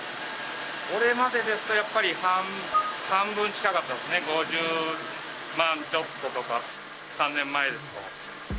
これまでですと、やっぱり半分近かったですね、５０万ちょっととか、３年前ですと。